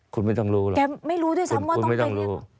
คุณไม่ต้องรู้หรอกคุณไม่ต้องรู้